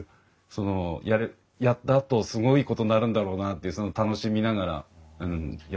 そのやったあとすごいことになるんだろうなっていう楽しみながらやってるのでね。